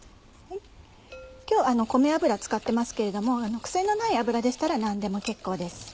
今日米油使ってますけれども癖のない油でしたら何でも結構です。